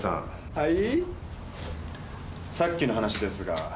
はい。